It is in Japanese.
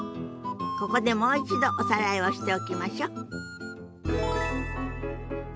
ここでもう一度おさらいをしておきましょ。